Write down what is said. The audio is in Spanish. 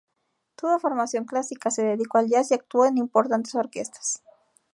Tuvo formación clásica, se dedicó al jazz y actuó en importantes orquestas.